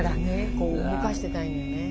こう動かしてたいのね。